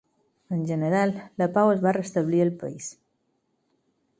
En general la pau es va restablir al país.